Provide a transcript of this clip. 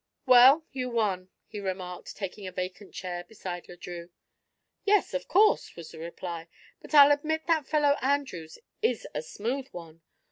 "Well, you won," he remarked, taking a vacant chair beside Le Drieux. "Yes, of course," was the reply; "but I'll admit that fellow Andrews is a smooth one.